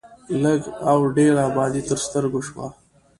لږ او ډېره ابادي تر سترګو شوه.